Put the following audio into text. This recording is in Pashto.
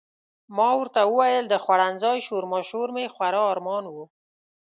ما ورته وویل د خوړنځای شورماشور مې خورا ارمان و.